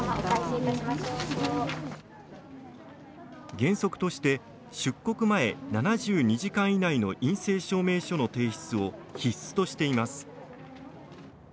原則として出国前７２時間以内の陰性証明書の提出を必須としています。